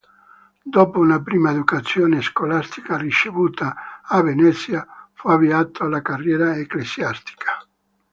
Dopo una prima educazione scolastica ricevuta a Venezia, fu avviato alla carriera ecclesiastica.